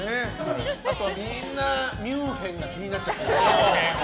あと、みんなミュンヘンが気になっちゃって。